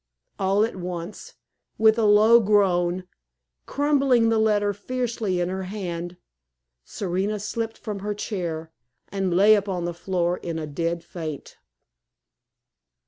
All at once, with a low groan, crumpling the letter fiercely in her hand, Serena slipped from her chair and lay upon the floor in a dead faint.